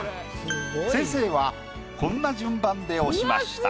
先生はこんな順番で押しました。